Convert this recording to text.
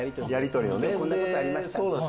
「今日こんなことありました」。